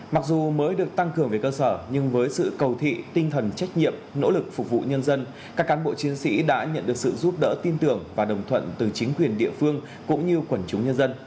mặc dù mới được tăng cường về cơ sở nhưng với sự cầu thị tinh thần trách nhiệm nỗ lực phục vụ nhân dân các cán bộ chiến sĩ đã nhận được sự giúp đỡ tin tưởng và đồng thuận từ chính quyền địa phương cũng như quần chúng nhân dân